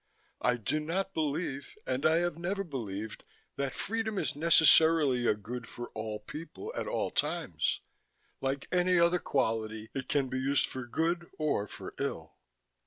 I do not believe, and I have never believed, that freedom is necessarily a good for all people at all times. Like any other quality, it can be used for good or for ill.